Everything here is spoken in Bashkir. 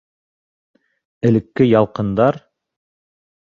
Элекке ялҡындар?